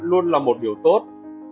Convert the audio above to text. luôn là một điều tốt